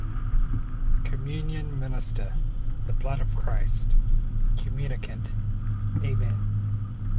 Communion Minister: The blood of Christ. Communicant: Amen.